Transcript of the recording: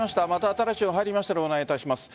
新しい情報が入りましたらお願いします。